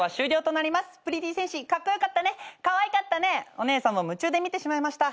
お姉さんも夢中で見てしまいました。